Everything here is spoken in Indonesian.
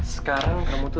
sekarang kamu tuh